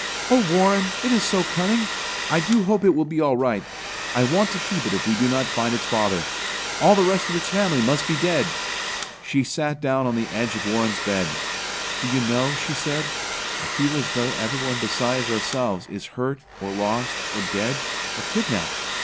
Oh, Warren, it is so cunning! I do hope it will be all right. I want to keep it if we do not find its father. All the rest of its family must be dead." She sat down on the edge of Warren's bed. "Do you know," she said, "I feel as though everyone besides ourselves is hurt or lost or dead or kidnapped?